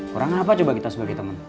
kurang apa coba kita sebagai teman